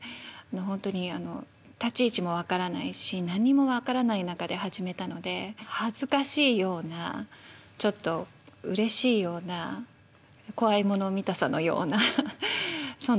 本当にあの立ち位置も分からないし何にも分からない中で始めたので恥ずかしいようなちょっとうれしいような怖いもの見たさのようなそんな気分です。